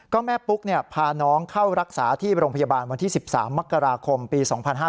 ก็แม่ปุ๊กพาน้องเข้ารักษาที่โรงพยาบาลวันที่๑๓มกราคมปี๒๕๕๙